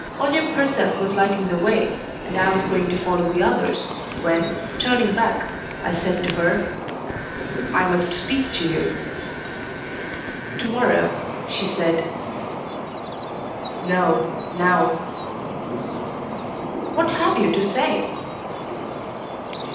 Olympe herself was lighting the way, and I was going to follow the others, when, turning back, I said to her: "I must speak to you." "To morrow," she said. "No, now." "What have you to say?"